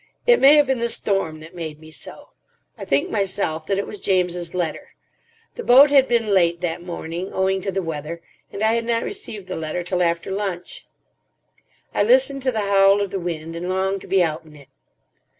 It may have been the storm that made me so. I think myself that it was James's letter. The boat had been late that morning, owing to the weather, and I had not received the letter till after lunch. I listened to the howl of the wind, and longed to be out in it.